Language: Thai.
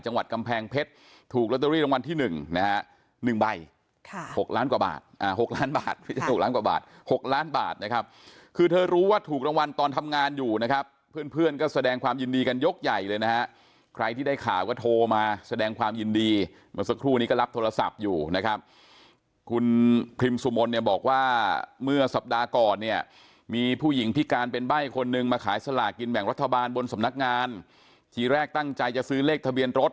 จังหวัดกำแพงเพชรถูกล็อตเตอรี่รางวัลที่หนึ่งนะฮะหนึ่งใบค่ะหกล้านกว่าบาทอ่าหกล้านบาทหกล้านกว่าบาทหกล้านบาทนะครับคือเธอรู้ว่าถูกรางวัลตอนทำงานอยู่นะครับเพื่อนเพื่อนก็แสดงความยินดีกันยกใหญ่เลยนะฮะใครที่ได้ข่าวก็โทรมาแสดงความยินดีเมื่อสักครู่นี้ก็รับโทรศัพท์อยู่นะคร